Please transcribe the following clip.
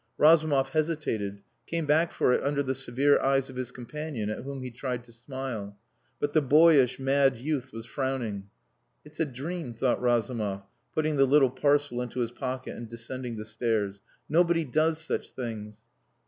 Razumov hesitated, came back for it under the severe eyes of his companion, at whom he tried to smile. But the boyish, mad youth was frowning. "It's a dream," thought Razumov, putting the little parcel into his pocket and descending the stairs; "nobody does such things."